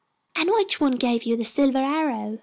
"And which one gave you the silver arrow?"